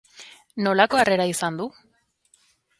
Nolako harrera izan du?